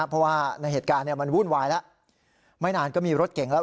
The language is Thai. เพราะว่าในเหตุการณ์มันวุ่นวายแล้วไม่นานก็มีรถเก่งแล้ว